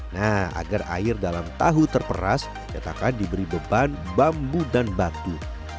nah agar air dalam tahu terperas cetakan diberi beban bambu dan batu